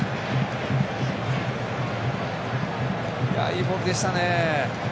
いいボールでしたね。